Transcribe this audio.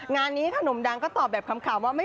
งานนี้ขนมดังก็ตอบแบบขำว่า